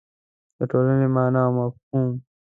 د ټولنې مانا او مفهوم